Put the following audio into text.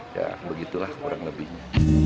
ya begitulah kurang lebihnya